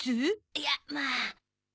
いやまあ。